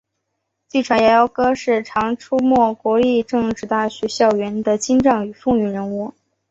据传摇摇哥是常出没国立政治大学校园的精障与风云人物。